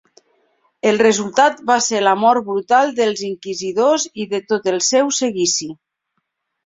El resultat va ser la mort brutal dels inquisidors i de tot el seu seguici.